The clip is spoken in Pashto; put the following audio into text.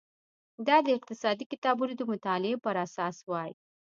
دا د اقتصادي کتابونو د مطالعې پر اساس وای.